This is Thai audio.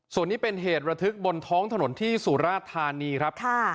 ส่วนนี้เป็นเหตุระทึกบนท้องถนนที่สุราธานีครับ